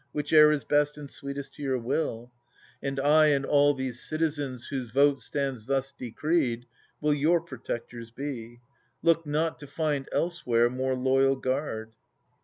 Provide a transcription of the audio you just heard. Whiche'er is best and sweetest to your will : And I and all these citizens whose vote Stands thus decreed, will your protectors be. Look not to find elsewhere more loyal guard.